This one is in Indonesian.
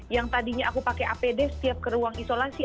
yang tadinya aku pakai apd setiap ke ruang isolasi